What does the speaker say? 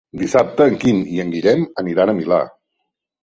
Dissabte en Quim i en Guillem aniran al Milà.